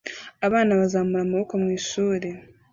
Abana bazamura amaboko mu ishuri